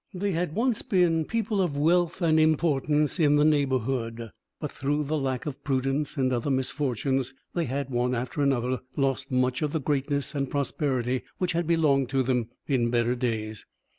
They had once been people of wealth and importance in the neighbourhood; but through lack of prudence and other misfortunes, they had, one after another, lost much of the greatness and prosperity which had belonged to them in better days.